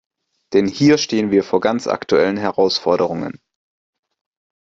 Denn hier stehen wir vor ganz aktuellen Herausforderungen.